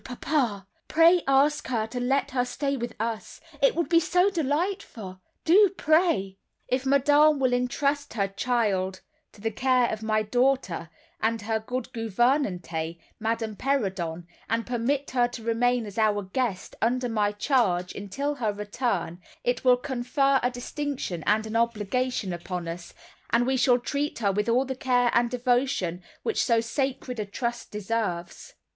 papa, pray ask her to let her stay with us—it would be so delightful. Do, pray." "If Madame will entrust her child to the care of my daughter, and of her good gouvernante, Madame Perrodon, and permit her to remain as our guest, under my charge, until her return, it will confer a distinction and an obligation upon us, and we shall treat her with all the care and devotion which so sacred a trust deserves."